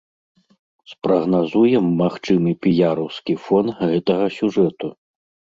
Спрагназуем магчымы піяраўскі фон гэтага сюжэту.